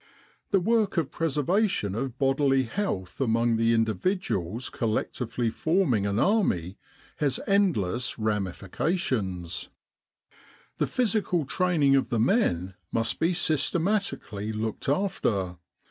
The work of preservation of bodily health among the individuals collectively forming an army has endless ramifications. The physical training of the men must be systematically looked after.